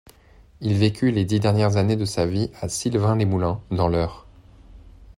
Il vécut les dix dernières années de sa vie à Sylvains-les-Moulins, dans l'Eure.